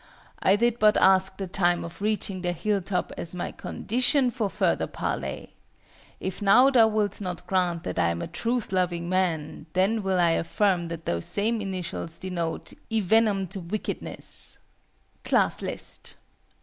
I did but ask the time of reaching the hill top as my condition for further parley. If now thou wilt not grant that I am a truth loving man, then will I affirm that those same initials denote Envenomed Wickedness!" CLASS LIST.